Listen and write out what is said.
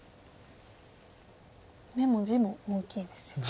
眼も地も大きいですよね。